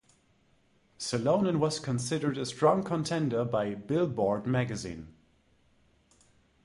Salonen was considered a strong contender by "Billboard" magazine.